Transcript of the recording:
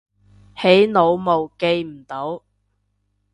起腦霧記唔到